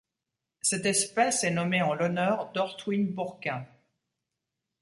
Cette espèce est nommée en l'honneur d'Ortwin Bourquin.